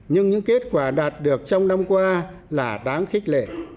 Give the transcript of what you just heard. nhưng những kết quả đạt được trong năm qua là đáng khích lệ